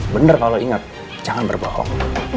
bener kalau inget jangan berbohong